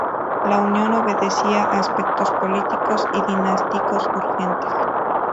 La unión obedecía a aspectos políticos y dinásticos urgentes.